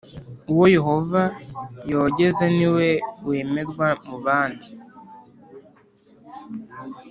Uwo Yehova yogeza ni we wemerwa mubandi